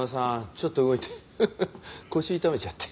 ちょっと動いてフフッ腰痛めちゃって。